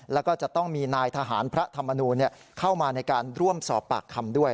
แล้วก็จะต้องมีนายทหารพระธรรมนูลเข้ามาในการร่วมสอบปากคำด้วย